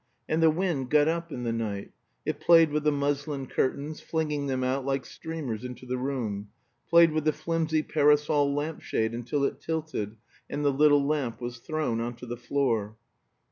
And the wind got up in the night: it played with the muslin curtains, flinging them out like streamers into the room; played with the flimsy parasol lamp shade until it tilted, and the little lamp was thrown on to the floor.